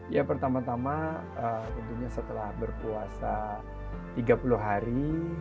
ya pertama tama tentunya setelah berpuasa tiga puluh hari